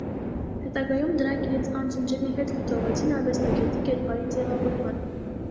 Հետագայում դրանք իրենց անջնջելի հետքը թողեցին արվեստագետի կերպարի ձևավորմանը։